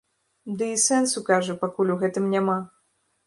Ды і сэнсу, кажа, пакуль у гэтым няма.